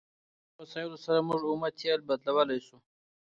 په دې وسایلو سره موږ اومه تیل بدلولی شو.